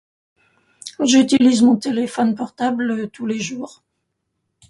J'utilise mon téléphone portable tous les jours.